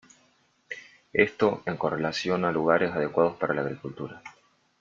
Esto en correlación a lugares adecuados para la agricultura.